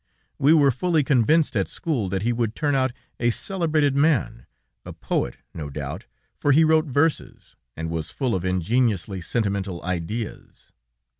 We were fully convinced at school, that he would turn out a celebrated man, a poet, no doubt, for he wrote verses, and was full of ingeniously sentimental ideas.